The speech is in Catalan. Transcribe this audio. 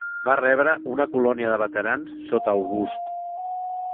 Va rebre una colònia de veterans sota August.